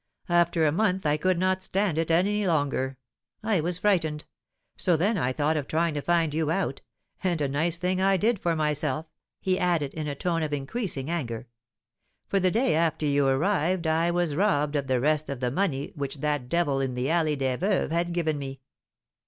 After a month I could not stand it any longer; I was frightened. So then I thought of trying to find you out; and a nice thing I did for myself," he added, in a tone of increasing anger; "for the day after you arrived I was robbed of the rest of the money which that devil in the Allée des Veuves had given me.